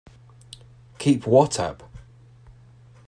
Keep what up?